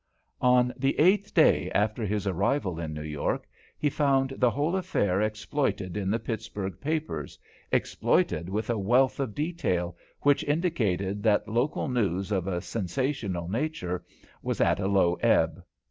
On the eighth day after his arrival in New York, he found the whole affair exploited in the Pittsburgh papers, exploited with a wealth of detail which indicated that local news of a sensational nature was at a low ebb.